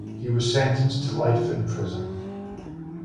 He was sentenced to life in prison.